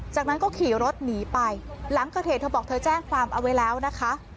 จากนั้นก็ขี่รถหนีไปหลังเกิดเหตุเธอบอกเธอแจ้งความเอาไว้แล้วนะคะ